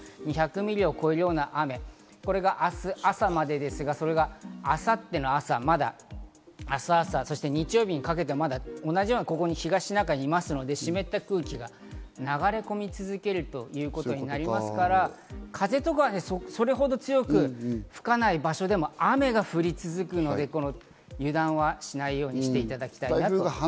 ２００ミリを超えるような雨、これが明日の朝までですが、明後日の朝、明日朝、そして日曜日にかけて同じように東シナ海にいますので、湿った空気が流れ込み続けるということになりますから、風とかはそれほど強く吹かない場所でも雨が降り続くので、油断はしないようにしていただきたいと思います。